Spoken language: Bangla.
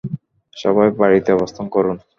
সবাই বাড়িতে অবস্থান করুন।